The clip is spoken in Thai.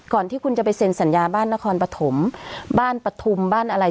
ที่คุณจะไปเซ็นสัญญาบ้านนครปฐมบ้านปฐุมบ้านอะไร